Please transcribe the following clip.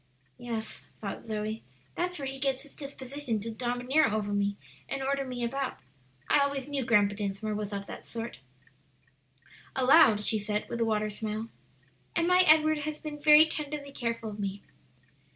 "Yes," thought Zoe, "that's where he gets his disposition to domineer over me and order me about. I always knew Grandpa Dinsmore was of that sort." Aloud she said, with a watery smile, "And my Edward has been very tenderly careful of me."